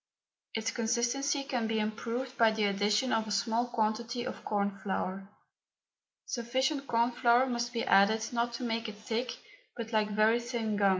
Its consistency can be improved by the addition of a small quantity of corn flour. Sufficient corn flour must be added not to make it thick but like very thin gum.